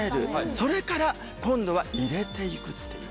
それから今度は入れていくっていう